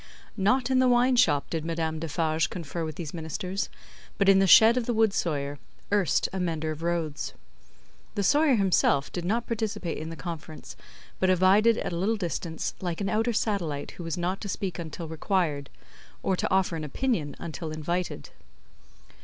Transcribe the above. Not in the wine shop did Madame Defarge confer with these ministers, but in the shed of the wood sawyer, erst a mender of roads. The sawyer himself did not participate in the conference, but abided at a little distance, like an outer satellite who was not to speak until required, or to offer an opinion until invited.